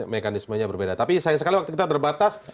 mekanismenya berbeda tapi sayang sekali waktu kita terbatas